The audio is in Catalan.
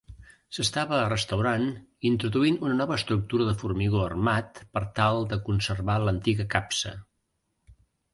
S'estava restaurant introduint una nova estructura de formigó armat per tal de conservar l'antiga capsa.